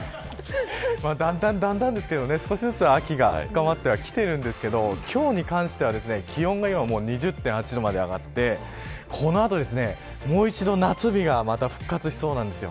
だんだんですけど、少しずつ秋が深まってきているんですけど今日に関しては気温が今２０．８度まで上がってこの後もう一度夏日がまた復活しそうです。